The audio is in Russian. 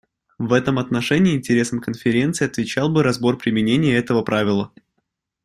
В этом отношении интересам Конференции отвечал бы разбор применения этого правила.